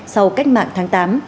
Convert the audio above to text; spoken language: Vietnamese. sau cách mạng tháng tám